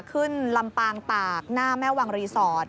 ลำปางตากหน้าแม่วังรีสอร์ท